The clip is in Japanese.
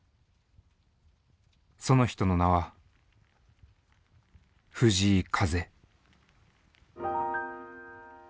その人の名は藤井風。